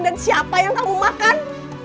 dan siapa yang kamu makan